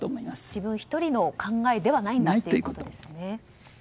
自分１人の考えではないんだということですね。